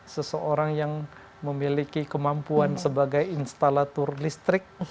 seseorang yang memiliki kemampuan sebagai instalator listrik